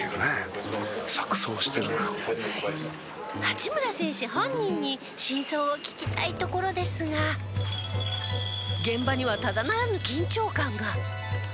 八村選手本人に真相を聞きたいところですが現場にはただならぬ緊張感が。